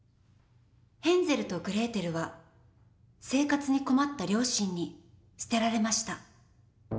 ヘンゼルとグレーテルは生活に困った両親に捨てられました。